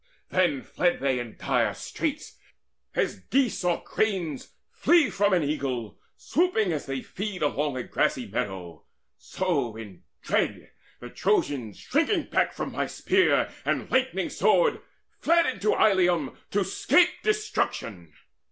Then fled they in dire straits, as geese or cranes Flee from an eagle swooping as they feed Along a grassy meadow; so, in dread The Trojans shrinking backward from my spear And lightening sword, fled into Ilium To 'scape destruction.